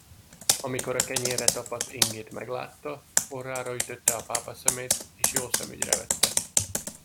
Amikor a kenyérre tapadt Ingét meglátta, orrára ütötte a pápaszemét, és jól szemügyre vette.